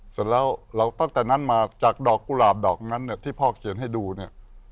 เสร็จแล้วเราตั้งแต่นั้นมาจากดอกกุหลาบดอกนั้นเนี่ยที่พ่อเขียนให้ดูเนี่ย